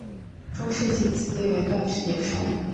中世纪此地名为锻冶山。